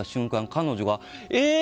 彼女が、えー！